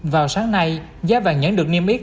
vào sáng nay giá vàng nhẫn được niêm yết